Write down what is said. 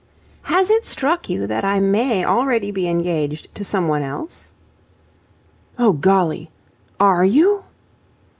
"Has it struck you that I may already be engaged to someone else?" "Oh, golly! Are you?"